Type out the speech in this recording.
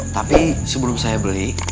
tapi sebelum saya beli